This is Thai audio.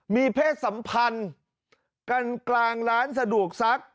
มีเพศสัมพันธ์กันกลางร้านสะดวกซัก